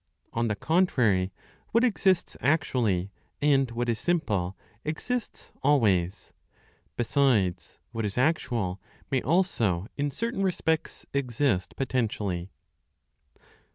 On the contrary, what exists actually, and what is simple, exists always. Besides, what is actual may also in certain respects exist potentially.